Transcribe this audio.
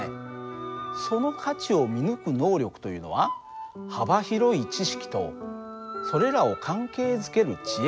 その価値を見抜く能力というのは幅広い知識とそれらを関係づける知恵